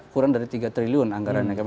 kurang dari tiga triliun anggaran yang kami